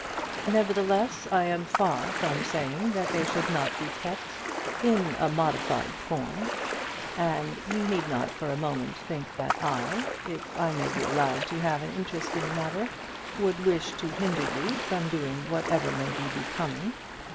Nevertheless, I am far from saying that they should not be kept in a modified form, and you need not for a moment think that I, if I may be allowed to have an interest in the matter, would wish to hinder you from doing whatever may be becoming.